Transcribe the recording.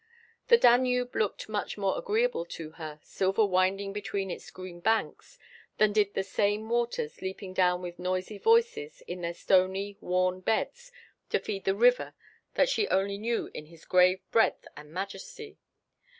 The Danube looked much more agreeable to her, silver winding between its green banks, than did the same waters leaping down with noisy voices in their stony, worn beds to feed the river that she only knew in his grave breadth and majesty.